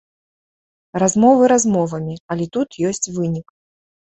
Размовы размовамі, але тут ёсць вынік.